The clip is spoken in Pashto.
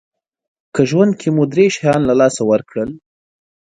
که ژوند کې مو درې شیان له لاسه ورکړل